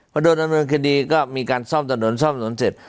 พอโดนดำเนินคดีก็มีการซ่อมถนนซ่อมถนนเสร็จ